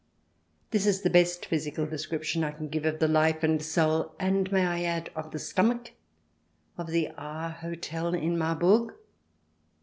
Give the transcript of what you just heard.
This is the best physical description I can give of the life and soul — and may I add of the stomach ?— of the R Hotel in Marburg.